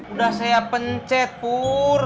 udah saya pencet pur